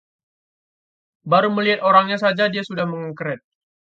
baru melihat orangnya saja dia sudah mengkeret